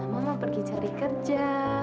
mama pergi cari kerja